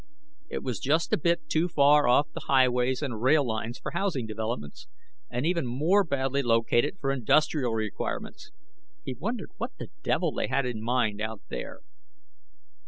It was just a bit too far off the highways and rail lines for housing developments, and even more badly located for industrial requirements. He wondered what the devil they had in mind out there.